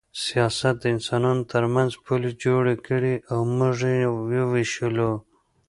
سیاست د انسانانو ترمنځ پولې جوړې کړې او موږ یې ووېشلو